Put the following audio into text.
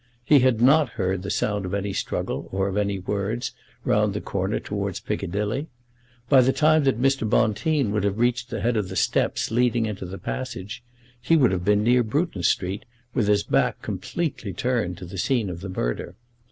He had not heard the sound of any struggle, or of words, round the corner towards Piccadilly. By the time that Mr. Bonteen would have reached the head of the steps leading into the passage, he would have been near Bruton Street, with his back completely turned to the scene of the murder.